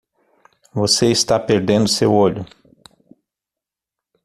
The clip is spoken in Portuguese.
Você está perdendo seu olho.